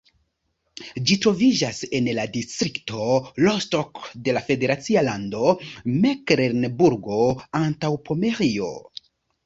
Ĝi troviĝas en la distrikto Rostock de la federacia lando Meklenburgo-Antaŭpomerio.